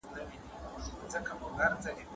د هېواد ډیپلوماتیک حضور په ټولو سیمو کي یو شان نه دی.